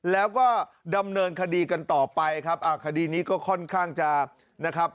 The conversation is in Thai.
แล้วก็ดำเนินคดีกันต่อไปครับอ่าคดีนี้ก็ค่อนข้างจะนะครับ